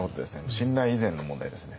信頼以前の問題ですね。